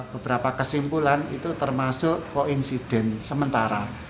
beberapa kesimpulan itu termasuk koinsiden sementara